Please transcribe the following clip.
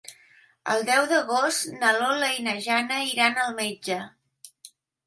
El deu d'agost na Lola i na Jana iran al metge.